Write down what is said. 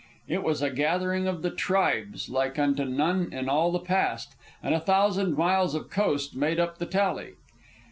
It was a gathering of the tribes, like unto none in all the past, and a thousand miles of coast made up the tally.